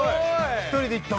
１人で行ったんだ？